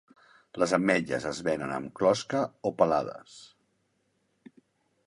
Les ametlles es venen amb closca o pelades.